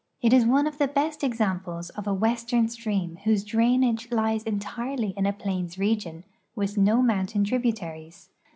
It is OIK! of the liest exani])les of ;i western stream whose drainage lies entirely in a jdains region, with no mountain tribu taries.